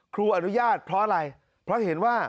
อนุญาตเพราะอะไรเพราะเห็นว่า